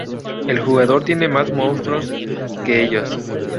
El jugador tiene más monstruos que ellos.